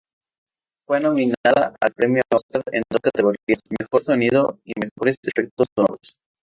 Fue nominada al Premio Oscar en dos categorías: Mejor Sonido y Mejores Efectos Sonoros.